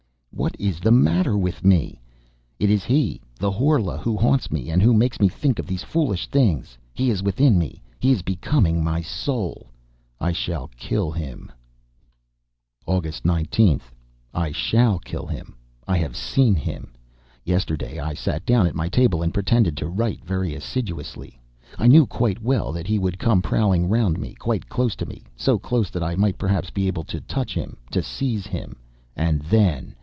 What is the matter with me? It is he, the Horla who haunts me, and who makes me think of these foolish things! He is within me, he is becoming my soul; I shall kill him! August 19th. I shall kill him. I have seen him! Yesterday I sat down at my table and pretended to write very assiduously. I knew quite well that he would come prowling round me, quite close to me, so close that I might perhaps be able to touch him, to seize him. And then!...